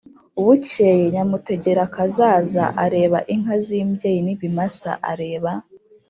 bukeye, nyamutegerakazaza areba inka z'imbyeyi n'ibimasa, areba,